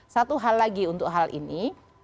satu hal lagi untuk hal ini